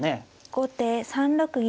後手３六銀。